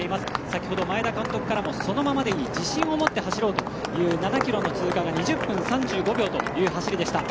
先ほど、前田監督からもそのままでいい自信を持って走ろうと７ｋｍの通過が２０分３５秒という走りでした。